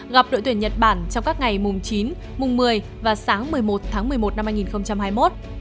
gặp đội tuyển nhật bản trong các ngày mùng chín mùng một mươi và sáng một mươi một tháng một mươi một năm hai nghìn hai mươi một